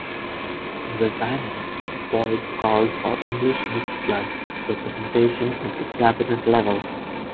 In resigning, Boyd called for "English mixed-blood" representation at the cabinet level.